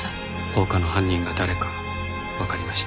放火の犯人が誰かわかりました。